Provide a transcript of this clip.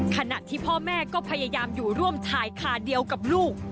ขณะที่พ่อแม่ก็พยายามอยู่ร่วมถ่ายคาเดียวกับลูก